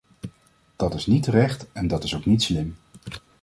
Dat is niet terecht en dat is ook niet slim.